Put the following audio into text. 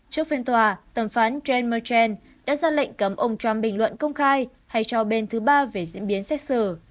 trước phiên tòa tầm phán trent merchant đã ra lệnh cấm ông trump bình luận công khai hay cho bên thứ ba về diễn biến xét xử